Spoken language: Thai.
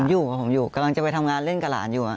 อยู่กับผมอยู่กำลังจะไปทำงานเล่นกับหลานอยู่